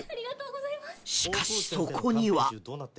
しかしそこには